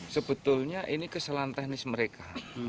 sebetulnya ini kesalahan teknis mereka